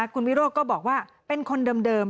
คุณวิโรธก็บอกว่าเป็นคนเดิม